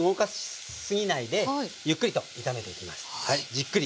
じっくり。